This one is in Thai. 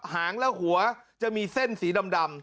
หางและหัวจะมีเส้นสีดำ